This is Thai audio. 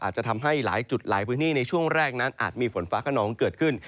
อาจจะทำให้หลายจุดหลายพื้นที่ในช่วงแรกนั้นอาจมีฝนฟ้าขนองเกิดขึ้น